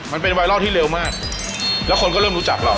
มันเป็นไวรัลที่เร็วมากแล้วคนก็เริ่มรู้จักเรา